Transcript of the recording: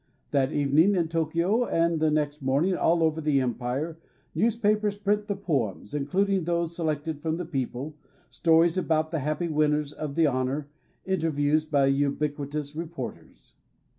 That evening in Tokio, and the next morning all over the empire, newspa pers print the poems, including those selected from the people, stories about the happy winners of the honor, inter views by ubiquitous reporters.